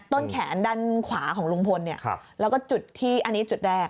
ต้นแขนด้านขวาของลุงพลแล้วก็จุดที่อันนี้จุดแรก